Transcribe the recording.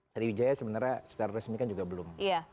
sriwijaya sebenarnya secara resmi kan juga belum